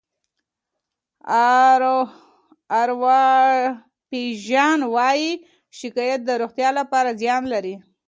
ارواپيژان وايي شکایت د روغتیا لپاره زیان لري.